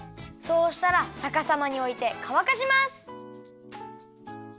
そうしたらさかさまにおいてかわかします。